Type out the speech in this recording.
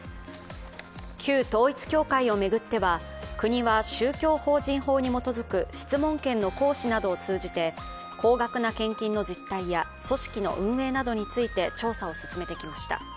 旧統一教会を巡っては国は宗教法人法に基づく、質問権の行使などを通じて、高額な献金の実態や組織の運営などについて調査を進めてきました。